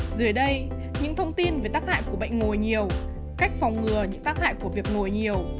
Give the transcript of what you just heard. dưới đây những thông tin về tác hại của bệnh ngồi nhiều cách phòng ngừa những tác hại của việc ngồi nhiều